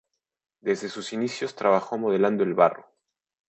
Desde sus inicios trabajó modelando el barro.